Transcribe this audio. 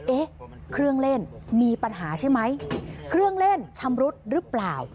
เอ๊ะเครื่องเล่นมีปัญหาใช่ไหมเครื่องเล่นชำรุดหรือเปล่า